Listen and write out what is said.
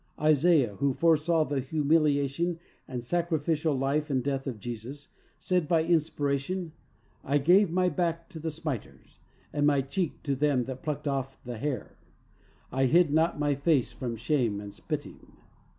Isaiah, who fore saw the humiliation and sacrificial life and death of Jesus, said by inspiration, "I gave my back to the smiters and my cheek to them that plucked off the hair; I hid not my face from shame and spitting."